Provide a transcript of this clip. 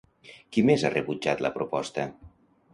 Qui més ha rebutjat la proposta?